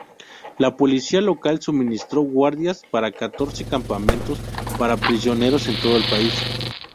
La policía local suministró guardias para catorce campamentos para prisioneros en todo el país.